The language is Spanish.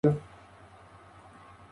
Edificio compuesto por una espaciosa sala.